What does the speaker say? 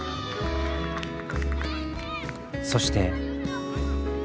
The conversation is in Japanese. そして。